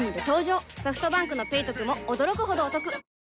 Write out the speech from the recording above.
ソフトバンクの「ペイトク」も驚くほどおトク